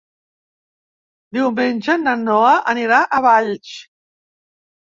Diumenge na Noa anirà a Valls.